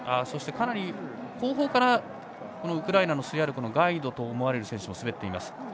そして、かなり後方からウクライナのスヤルコのガイドと思われる選手が滑っています。